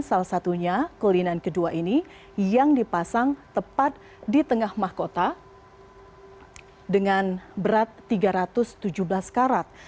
salah satunya kuliner kedua ini yang dipasang tepat di tengah mahkota dengan berat tiga ratus tujuh belas karat